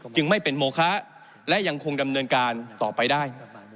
จึงไม่เป็นโมคะและยังคงดำเนินการต่อไปได้